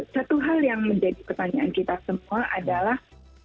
satu hal yang menjadi pertanyaan kita semua adalah